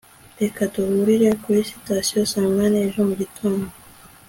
reka duhurire kuri sitasiyo saa munani ejo mugitondo